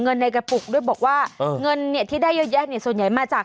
เงินในกระปุกบอกว่าเงินที่ได้เยอะส่วนใหญ่มาจาก